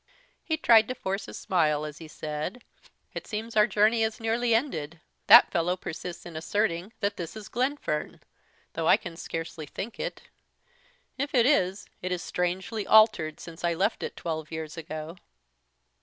He tried to force a smile, as he said, "It seems our journey is nearly ended; that fellow persists in asserting that that is Glenfern, though I can scarcely think it. If it is, it is strangely altered since I left it twelve years ago."